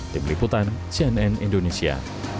tim liputan cnn indonesia